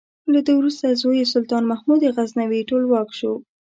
له ده وروسته زوی یې سلطان محمود غزنوي ټولواک شو.